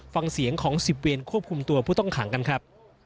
ฟังเสียงของ๑๐เวรควบคุมตัวผู้ต้องขังกันครับ